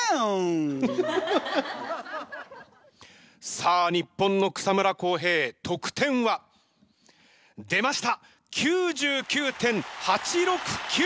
さあ日本の草村航平得点は？出ました。９９．８６９！